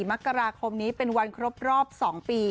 มกราคมนี้เป็นวันครบรอบ๒ปี